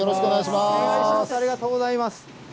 ありがとうございます。